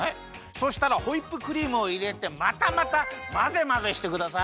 そしたらホイップクリームをいれてまたまたまぜまぜしてください。